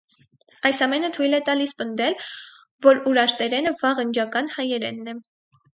Այս ամենը թայլ է տալիս պնդել, որ ուրարտերենը վաղընջական հայերենն է։